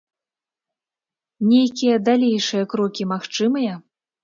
Нейкія далейшыя крокі магчымыя?